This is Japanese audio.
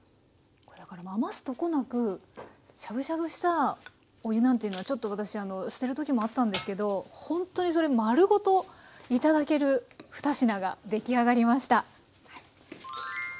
余すとこなくしゃぶしゃぶしたお湯なんていうのはちょっと私捨てるときもあったんですけどほんとにそれ丸ごと頂ける２品が出来上がりました。